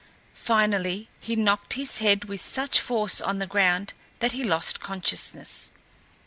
Finally he knocked his head with such force on the ground that he lost consciousness.